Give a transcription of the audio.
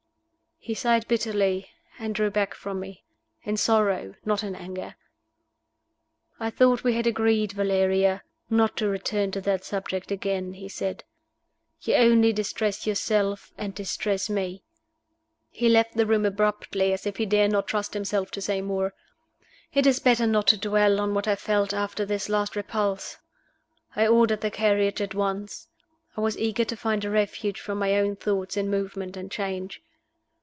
He sighed bitterly, and drew back from me in sorrow, not in anger. "I thought we had agreed, Valeria, not to return to that subject again," he said. "You only distress yourself and distress me." He left the room abruptly, as if he dare not trust himself to say more. It is better not to dwell on what I felt after this last repulse. I ordered the carriage at once. I was eager to find a refuge from my own thoughts in movement and change.